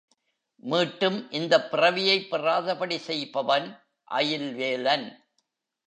மீட்டும் இந்தப் பிறவியை பெறாதபடி செய்பவன் அயில் வேலன்.